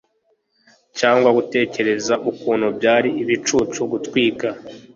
cyangwa gutekereza ukuntu byari ibicucu gutwika